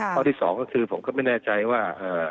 ข้อที่๒ก็คือผมก็ไม่แน่ใจว่า